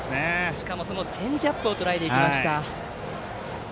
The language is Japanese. しかもチェンジアップをとらえていきました。